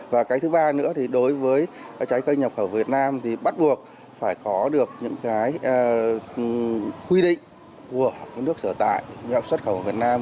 và cái thứ ba nữa thì đối với trái cây nhập khẩu việt nam thì bắt buộc phải có được những cái quy định của nước sở tại xuất khẩu của việt nam